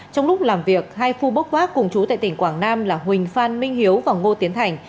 trong lúc làm việc hai phu bố bốc vác cùng chú tại tỉnh quảng nam là huỳnh phan minh hiếu và ngô tiến thành